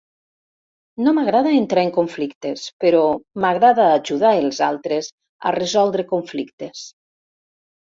No m'agrada entrar en conflictes, però m'agrada ajudar els altres a resoldre conflictes.